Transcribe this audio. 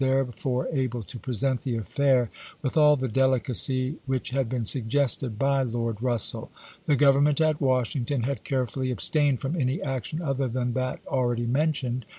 ii. therefore able to present the affair with all the delicacy which had been suggested by Lord Eus sell. The Grovernment at Washington had care fully abstained from any action other than that already mentioned.